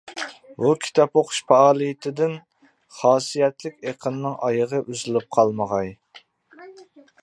بۇ كىتاب ئوقۇش پائالىيىتىدىن خاسىيەتلىك ئېقىننىڭ ئايىغى ئۈزۈلۈپ قالمىغاي!